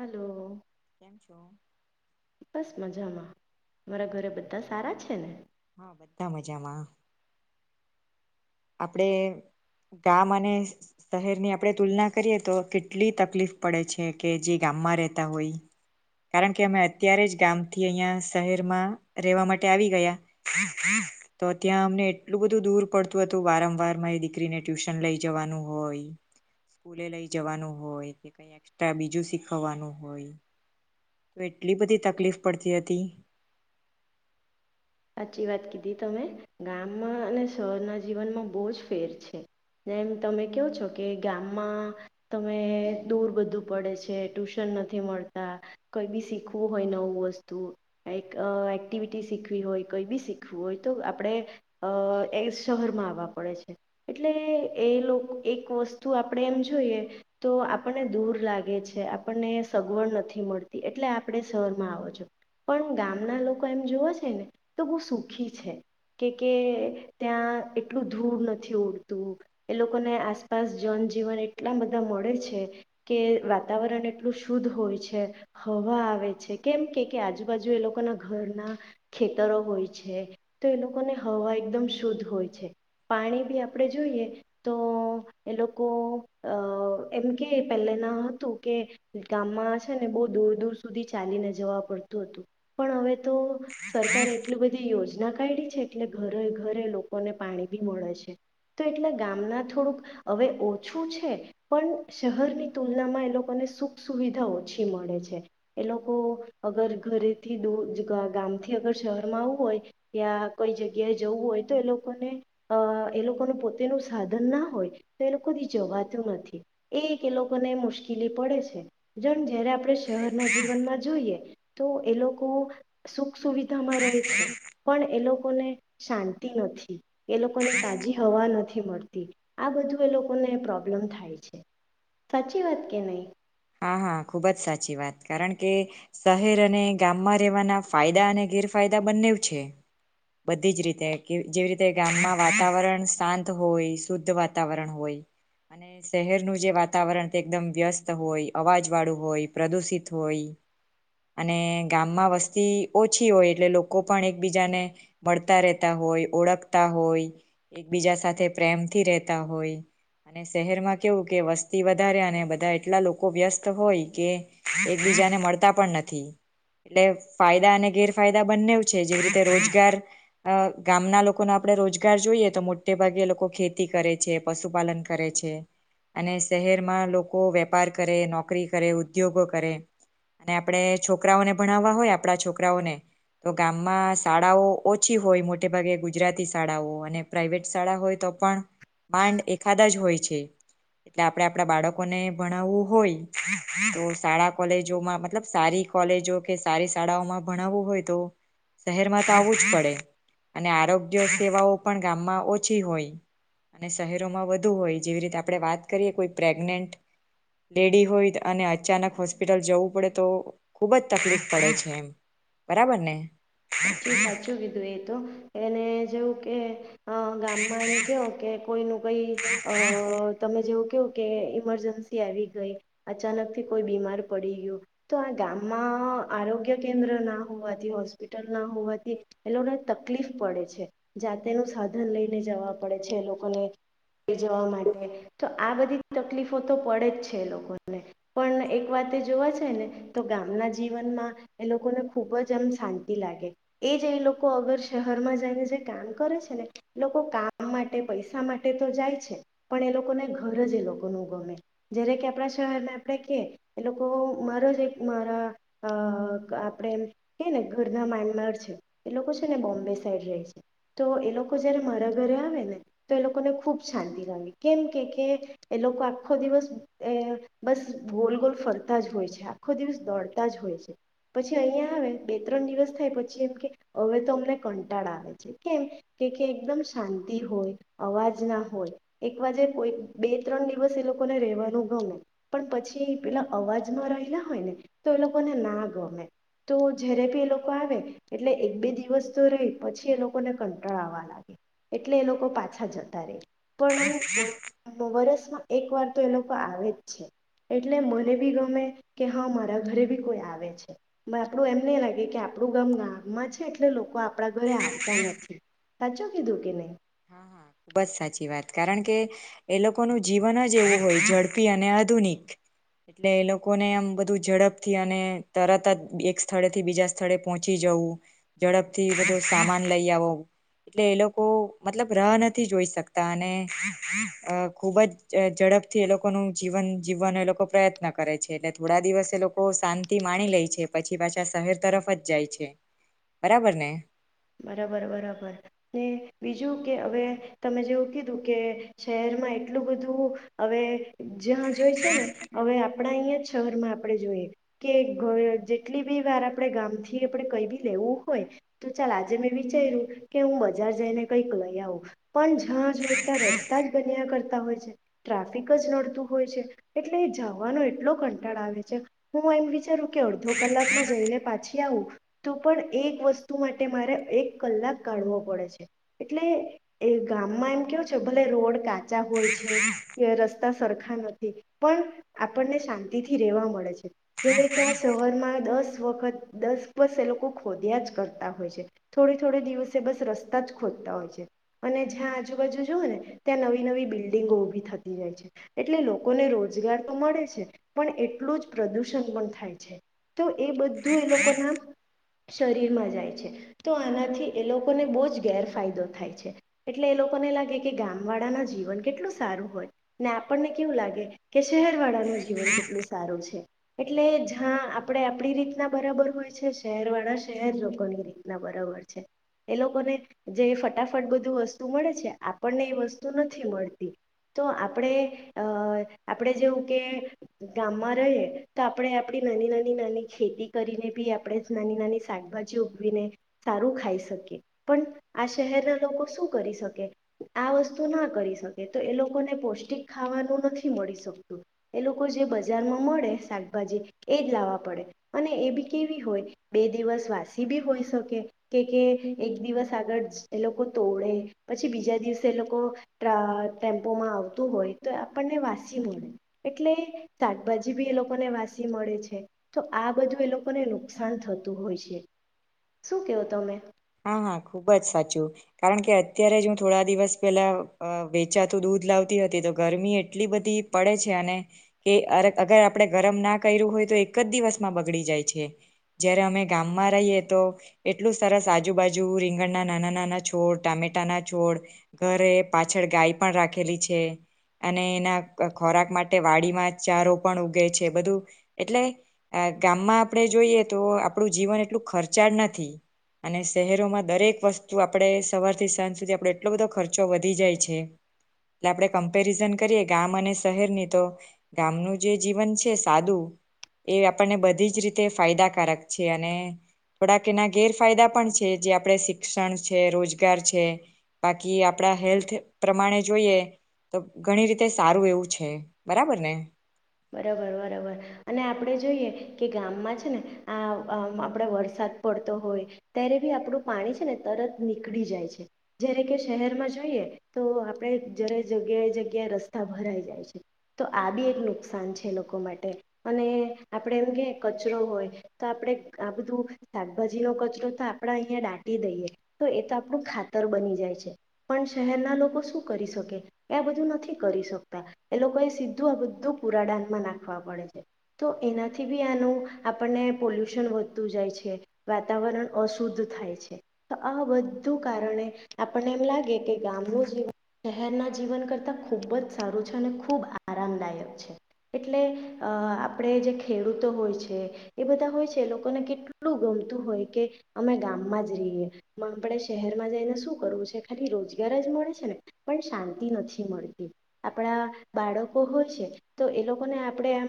Hello કેમ છો બસ મજામાં મારા ઘરે બધા સારા છે ને હા બધા મજામાં આપડે ગામ અને શહેરની આપડે તુલના કરીએ તો કેટલી તકલીફ પડે છે કે જે ગામમાં રેતા હોય કારણ કે અમે અત્યારે જ ગામ થી અહિયાં શહેરમાં રેવા માટે આવી ગયા તો ત્યાં અમને એટલું બધું દૂર પડતું ું હતું વારંવાર મારી દીકરીને ટ્યુશન લઈ જવાનું હોય સ્કૂલે લઈ જવાનું હોય કે કઈ એસ્ટ્રા બીજું શીખવવાનું હોય તો એટલી બધી તકલીફ પડતી હતી સાચી વાત કીધી તમે ગામમાં અને શહેરના જીવનમાં બહુ જ ફેર છે જેમ તમે કહો છો કે ગામમાં તમે દૂર બધું પડે છે ટ્યુશન નથી મળતા કોઈ બી શીખવું હોય નવું વસ્તુ કઈ એક્ટિવિટી શીખવી હોય કઈ બી શીખવું હોય તો આપણે અ એ શહેરમાં આવવા પડે છે એટલે એ લોકો એક વસ્તુ આપણે એમ જોઈએ તો આપણને દૂર લાગે છે આપણને સગવડ નથી મળતી એટલે આપણે શહેરમાં આવો છો પણ ગામના લોકો એમ જોુવ છે ને તો બહુ સુખી છે કે કે ત્યાં એટલું ધૂળ નથી ઉડતું એ લોકોને આસપાસ જનજીવન એટલા બધા મળે છે કે વાતાવરણ એટલું શુદ્ધ હોય છે હવા આવે છે કેમ કે કે આજુબાજુ એ લોકોના ઘરના તરો હોય છે તો એ લોકોને હવા એકદમ શુદ્ધ હોય છે પાણી બી આપણે જોઈએ તો એ લોકો એમ કે પહેલે ના હતું કે ગામમાં છે ને બહુ દૂર દૂર સુધી ચાલીને જવા પડતું હતું પણ હવે તો સરકારે એટલું બધી યોજના પ છે એટલે ઘરે ઘરે લોકોને પાણી બી મળે છે તો એટલે ગામના થોડુંક હવે ઓછું છે પણ શહેરની તુલનામાં એ લોકોને સુખ સુવિધા ઓછી મળે છે એ લોકો અગર ઘરેથી દૂર ગામથી ગ શહેરમાં આવવું હોય યા કોઈ જગ્યાએ જવું હોય તો એ લોકોને અ એ લોકોને પોતેનું સાધન ના હોય તો એ લોકો જવાતું નથી એ એ લોકોને મુશ્કેલી પડે છે જયારે આપણે શહેરના જીવનમાં જોઈએ તો એ લોકો સુ સુક સુવિધામાં રહે છે પણ એ લોકોને શાંતિ નથી એ લોકોને તાજી હવા નથી મળતી આ બધું એ લોકોને પ્રોબ્લેમ થાય છે સાચી વાત કે નહી હા હા ખુબ જ સાચી વાત કારણ કે શહેર અને ગામમાં રહેવાના ફાયદા અને ગેરફાયદા બંને છે બધી જ રીતે કે જેવી રીતે ગામમાં વાતાવરણ શાંત હોય શુદ્ધ વાતાવરણ હોય અને શહેરનું જે વાતાવરણ તે એકદમ વ્યસ્ત હોય અવાજ વાળું હોય પ્રદુષિત હોય અને ગામમાં વસ્તી ઓછી હોય એટલે લોકો પણ એકબીજાને મળતા રહેતા હોય ઓળખતા હોય એકબીજા સાથે પ્રેમથી રહેતા હોય અને શહેરમાં કેવું કે વસ્તી વધારે અને બધા એટલા લોકો લોકો વ્યસ્ત હોય કે એકબીજાને મળતા પણ નથી એટલે ફાયદા અને ગેરફાયદા બંને છે જેવી રીતે રોજગાર ગામના લોકોને આપણે રોજગાર જોઈએ તો મોટે ભાગે લોકો ખેતી કરે છે પશુપાલન કરે છે અને શહેરમાં લોકો વેપાર કરે નોકરી કરે ઉદ્યોગો કરે અને આપણે છોકરાઓને ભણાવવા હોય આપણા છોકરાઓને તો ગામમાં શાળાઓ ઓછી હોય મોટે ભાગે ગુજરાતી શાળાઓ અને પ્રાઇવેટ શાળા હોય તો પણ માંડ એાદા જ હોય છે એટલે આપણેે આપણા બાળકોને ભણાવવું હોય તો શાળા કોલેજોમાં મતલબ સારી કોલેજો કે સારી શાળાઓમાં ભણાવવું હોય તો શહેરમાં તો આવવું જ પડે અને આરોગ્ય સેવાઓ પણ ગામમાં ઓછી હોય અને શહેરોમાં વધુ હોય જેવી રીતે આપણે વાત કરીએ કોઈ પ્રેગનેન્ટ લેડી હોય અને અચાનક હોસ્પિટલ જવું પડે તો ખુબ જ તકલીફ પડે છે એમ બરાબર ને સાચું સાચું કીધું એ તો એને જેવું કે અ ગામમાં એમ કયો કે કોઈ ન કઈ અ તમે જેવું કે ઈમરજન્સી આવી ગઈ અચાનકથી કોઈ બીમાર પડી ગયું તો આ ગામમાં આરોગ્ય કેન્દ્ર ના હોવાથી હોસ્ હોસ્પિટલ ના હોવાથી એ લોકોને તકલીફ પડે છે જાતેનું સાધન લઈને જવા પડે છે એ લોકોને લઈ જવા માટે તો આ બધી તકલીફો તો પડે જ છે એ લોકોને પણ એક વાત જોવા છે ને તો ગામના જીવનમાં એ લોકોને ખૂબ જ આમ શાંતિ લાગે એ જ એ લોકો અગર શહેરમાં જઈને જે કામ કરે છે ને એ લોકો કામ માટે પૈસા માટે તો જાય છે પણ એ લોકોને ઘર જ એ લોકો ન ગમે જ્યારે કે આપણા શહેરને આપણે કે એ લોકો મારા જ એક મારા આપણે એમ કે ને ઘરના માનમાર છે એ લોકો છે ને બોમ્બે સાઈડ રહે છે તો એ લોકો જયારે મારા ઘરે આવે ને તો એ લોકોને ખુબ શાંતિ લાગે કેમ કે કે એ લોકો આખો દિવસ બસ ગોલ ગોલ ફરતા જ હોય છે આખો દિવસ દોડતા જ હોય છે પછી અહંયા આવે બે ત્રણ દિવસ થાય પછી એમ કે હવે તો અમને કંટાળ આવે છે કેમ કે કે એકદમ શાંતિ હોય અવાજ ના હોય એક બાજે કોઈ બે ત્રણ દિવસ એ લોકોને રહેવાનું ગમે પણ પછી પેલા અવાજમાં રહેલા હોય ને તો એ લોકોને ના ગમે તો જ્યારે બી એ લોકો આવે એટલે એક બે દિવસ તો રહી પછી એ લોકોને કંટાળાવા લાગે એટલે એ લોકો પાછા જતા રે પણ કોઈ મોરસ એક વાર તો એ લોકો આવે જ છે એટલે મને બી ગમે કે હા મારા ઘરે બી કોઈ આવે છે આપણું એમ નહીં લાગે કે આપણું ગામ ગામમાં છે એટલે લોકો આપ આપડા ઘરે આવતા નથી તાચો કીધું કે નં હા હા ખુબ જ સાચી વાત કારણ કે એ લોકોનું જીવન જ એવું હોય ઝડપી અને આધુનિક એટલે એ લોકોને આમ બધું ઝડપથી અને તરત જ એક સ્થળે થી બીજા સ્થળે પોહોંચી જવું ઝડપ થી બધું સામાન લઈ આવું એટલે એ લોકો મતલબ રહ નથી જોઈ શકતા અને ખુબ જ ઝડપથી એ લોકોનું જીવન જીવવાનો એ લોકો પ્રયત્ન કરે છે એટલે થોડા દિવસ એ લોકો શાંતિ માણી લે છે પછી પાછા શહેર તરફ જ જાય છે બરાબર ને બરાબર બરાબર ને બીજું કે હવે તમે જેવું કીધું કે શહેરમાં એટલું બધું હવે જ્યાં જોઈ છે ને હવે આપણા અહીં શહેરમાં આપણે જોઈએ કે જેટલી બી વાર આપણેે ગામથી આપણે કવીી લેવું હોય ચાલ આજે મેં વિચાર્યું કે હું બજાર જઈને કંઈક લઈ આવું પણ જ્યાં જોઈ ત્યાં રસ્તા જ બન્યા કરતા હોય છે ટ્રાફિક જ નડતું હોય છે એટલે એ જવાનો એટલો કંટાળ આવે છે હું એમ વિચારું કે અડધો કલાકમાં જઈને પાછી આવું તો પણ એક વસ્તુ માટે માટે મારે એક કલાક કાઢવો પડે છે એટલે એ ગામમાં એમ કેવો છે ભલે રોડ કાચા હોય છે રસ્તા સરખા નથી પણ આપણને શાંતિથી રેવા મળે છે જ કે આ શહરમાં દસ વખત દસ બસ એ લોકો ખોદ્યા જ કરતા હોય છે થોડી થોડ દિવસે બસ રસ્તા જ ખોજતા હોય છે અને જ્યાં આજુબાજુ જોઓ ને ત્યાં નવી નવી બિલ્ડિંગો ઉભી થતી જાય છે એટલે લોકોને રોજગાર તો મળે છે પણ એટલું જ પ્રદુષણ પણ થાય છે તો એ બધું એ લોકો ના શરીરમાં જ તો આનાથી એ લોકોને બહ જ ગેરફાયદો થાય છે એટલે એ લોકોને લાગે કે ગામ વાળા ના જીવન કેટલું સારું હોય ને આપણને કેવું લાગે કે શહેર વાળાનું જીવન કેટલું સારું છે એટલે જ્યાં આપડે આપડી રીતના બરાબર હોય છે શહેર વાળા શહેર લોકો ની રીત બરોબર છે એ લોકોને જે ફટાફટ બધું વસ્તુ મળે છે આપણને એ વસ્તુ નથી મળતી તો આપણે અ આપણેે જેવું કે ગામમાં રહીએ તો આપણે આપણી નાની નાની નાની ખેતી કરીને બી આપણે નાની નાની શાકભાજી ઉગવીને સારું ખાઈ શકી પણ આ શહેરના લોકો શું કરી શકે આ વસ્તુ ના કરી શકે તો એ લોકોને પૌષ્ટિક ખાવાનું નથી મળી શકતું એ લોકો જે બજારમાં મળે શાકભાજી એજ લાવવા પડે અને એ બી કેવી હોય બે દિવસ વાસી બી હોય શકે કે એક દિવસ આગળ એ લોકો તોડે પછી બીજા દિવસે એ લોકો ટ ટેમ્પોમાં આવતું હોય તો આપણને વાસી મળે એટલે શાકભાજી બી એ લોકોને વાસી મળે છે તો આ બધું એ લોકોને નુકસાન થતું હોય છે શું કહવું હતો મેં હા હા ખુબ જ સાચું કારણ કે અત્યારે જ હું થોડા દિવસ પેલા વેચાતું દૂધ લાવતી હતી તો ગરમી એટલી બધી પડે છે અને કે અ અગર આપણે ગરમ ના કર્યું હોય તો એક જ દિવસમાં બગડી જાય છે જયારે અમે ગામમાં રહીએ તો એટલું સરસ આજુબાજુ રીંગણના નાના નાના છોડ ટામેટાના છોડ ઘરે પાછળ ગાય પણ રાખેલી છે અને એના ખોરાક માટે વાડીમાં ચારો પણ ઉગે છે બધું એટલે ગામમાં આપણે જોઈએ તો આપણું જીવન એટલું ખર્ચાળ નથી અને શહેરોમાં દરેક વસ્તુ આપણે સવારથી સાંજ સુધી આપણેો એટલો બધો ખર્ચો વધી જાય છે એટલે આપણે કમ્પેરિઝન કરીએ ગામ અને શહેરની તો ગામનું જે જીવન છે સાદું એ આપણને બધી જ રીતે ફાયદાકારક છે અને થોડાકના ગેર ફાયદા પણ છે જે આપણે શિક્ષણ છે રોજગાર છે બાકી આપણા હેલ્થ પ્રમાણે જોઈએ તો ઘણી રીતે સારું એવું છે બરાબર ને બરાબર બરાબર અને આપણે જોઈએ કે ગામમાં છે ને આ આપડ વરસાદ પડતો હોય ત્યારે બી આપડું પાણી છે ને તરત નીકળી જાય છે જ્યારે કે શહેરમાં જોઈએ તો આપણે જ્યારે જગ્યાએ જગ્યાએ રસ્તા ભરાઈ જાય છે તો આ બી એક નુકસાન આસાન છે લોકો માટે અને આપણે એમ કે કચરો હોય તો આપણે આ બધું શાકભાજીનો કચરો તો આપણા અહીંયા ડાટી દઈએ તો એ તો આપણું ખાતર બની જાય છે પણ શહેરના લોકો શું કરી શકે એ આ બધું નથી કરી શકતા એ લોકોએ સીધું આ બધું કુરાડાાનમાં નાખવા પડે છે તો એનાથી બી આનું આપણને પોલ્યુશન વધતું જાય છે વાતાવરણ અશુદ્ધ થાય છે તો આ બધું કારણે આપણને એમ લાગે કે ગામનું જીવન શહેરનાં જીવન કરતાં ખૂબ જ સારું છે અને ખૂબ આરામદાયક છે એટલે અ આપણેે જે ખેડૂતો હોય છે એ બધા હોય છે એ લોકોને કેટલું ગમતું હોય કે અમે ગામમાં જ રહીએ આપણે શહેરમાં જઈને શું કરવું છે ખાલી રોજગાર જ મળે છે ને પણ શાંતિ નથી મળતી આપણા બાળકો હોય છે. તો એ લોકોને આપણે એમ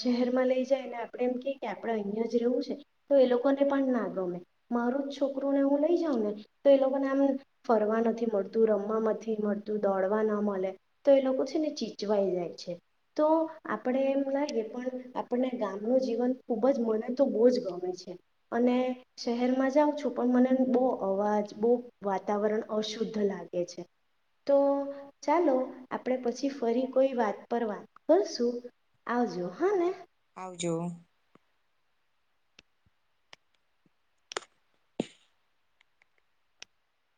શહેરમાં લઈ જાય ને આપણે એમ ક કે આપણે અહીંયા જ રહેવું છે તો એ લોકોને પણ ના ગમે મારું જ છોકરુંને હું લઈ જાઉં ને તો એ લોકોને આમ ફરવા નથી મળતું રમવા નથી મળતું દોડવા ન મળે તો એ લોકો છે ને ચીચવાઈ જાય છે. તો આપણે એમ લાગી પણ આપણને ગામનું જીવન ખૂબ જ મને તો બહુ જ ગમે છે અને શહેરમાં જાઉં છું પણ મને બહુ અવાજ બહુ વાતાવરણ અશુદ્ધ લાગે છે તો ચાલો આપણે પછી ફરી કોઈ વાત પર વા કરશું આવજો હા ને આવજો